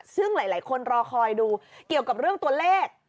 ซึ่งหลายคนรอคอยดูเกี่ยวกับเรื่องตัวเลข